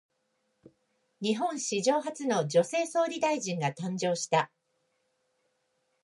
日本史上初の女性総理大臣が誕生した。